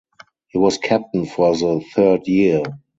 He was captain for the third year.